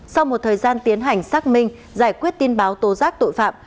sau một thời gian tiến hành xác minh giải quyết tin báo tố giác tội phạm